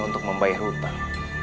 untuk membayar hutan